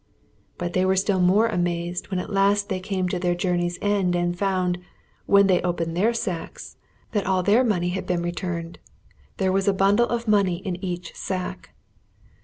But they were still more amazed when at last they came to their journey's end and found, when they opened their sacks, that all their money had been returned. There was a bundle of money in each sack!